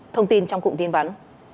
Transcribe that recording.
thông tin trong cụm tin vắn